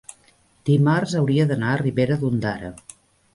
dimarts hauria d'anar a Ribera d'Ondara.